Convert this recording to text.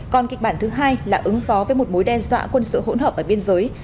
còn kịch bản thứ hai là ứng phó với một mối đe dọa quân sự hỗn hợp ở biên giới